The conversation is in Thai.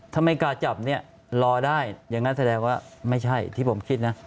ถ้าไม่กล้าจับเนี่ยรอได้อย่างนั้นแสดงว่าไม่ใช่ที่ผมคิดนะ